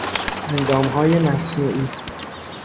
اندامهای مصنوعی